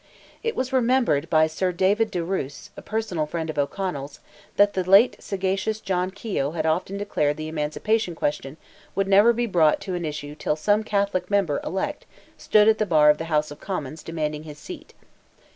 It was remembered by Sir David De Roose, a personal friend of O'Connell's, that the late sagacious John Keogh had often declared the Emancipation question would never be brought to an issue till some Catholic member elect stood at the bar of the House of Commons demanding his seat.